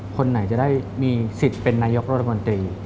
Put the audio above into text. คนไหนจะได้มีสิทธิ์เป็นนายกรัฐมนตรี